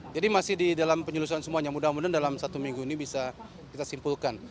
jadi masih di dalam penyelusuran semuanya mudah mudahan dalam satu minggu ini bisa kita simpulkan